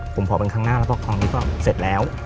ผมขอเป็นครั้งหน้าแล้วก็ครั้งนี้ก็เสร็จแล้ว